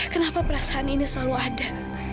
kenapa perasaan ini selalu ada